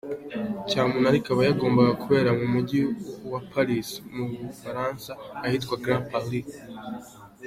Cyamunara ikaba yagombaga kubera mu mujyi wa Paris mu Bufaransa ahitwa Grand palais.